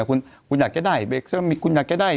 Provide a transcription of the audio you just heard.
คุณอยากได้ได้เบรกเซียลมีคุณอยากได้ได้